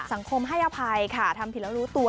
สังคมให้อภัยค่ะทำผิดแล้วรู้ตัว